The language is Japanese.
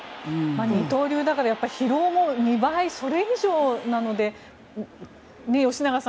二刀流だから疲労も２倍それ以上なので、吉永さん